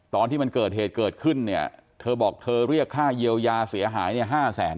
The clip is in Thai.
ตอนที่มันเกิดเหตุเกิดขึ้นเนี่ยเธอบอกเธอเรียกค่าเยียวยาเสียหายเนี่ย๕แสน